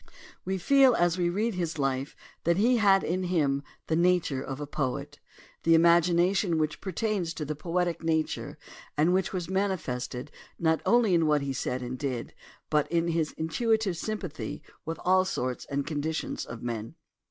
We feel as we read his life that he had in him the nature of a poet, the imagination which pertains to the poetic nature and which was manifested not only in what he said and did but in his intuitive sympathy with all sorts and conditions of men.